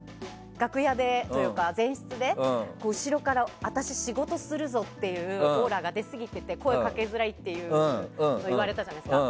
前、若林さんに前室で後ろから私、仕事するぞっていうオーラが出すぎていて声をかけづらいって言われたじゃないですか。